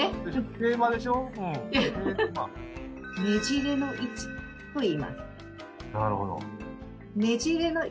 これがねじれの位置といいます。